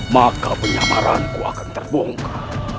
maka penyamaran ku akan terbongkar